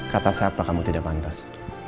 kata siapa kamu tidak pantas